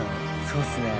そうっすね。